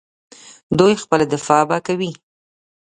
دوی خپله دفاع به کوي.